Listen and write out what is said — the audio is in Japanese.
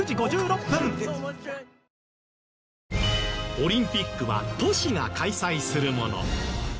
オリンピックは都市が開催するもの。